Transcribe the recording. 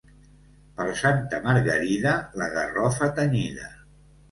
Per Santa Margarida, la garrofa tenyida.